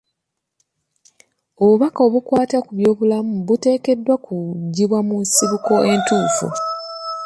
Obubaka obukwata ku byobulamu buteekeddwa kuggyibwa mu nsibuko entuufu.